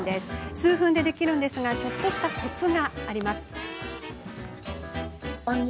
数分でできるんですがちょっとしたコツがあります。